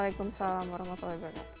wa'alaikumussalam warahmatullahi wabarakatuh